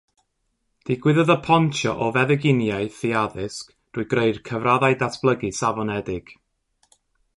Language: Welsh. Digwyddodd y pontio o feddyginiaeth i addysg drwy greu'r Cyfraddau Datblygu Safonedig.